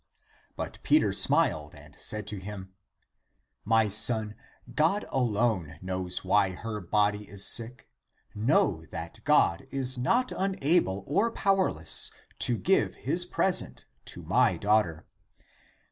But Peter smiled and said to him, " My son, God alone knows why her body is sick. Know that God is not unable or powerless, to give his present to my daughter.